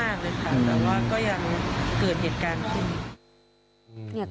แต่ว่าก็ยังเกิดเหตุการณ์ขึ้น